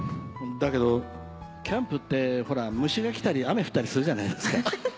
だけどキャンプって虫が来たり雨降ったりするじゃないですか。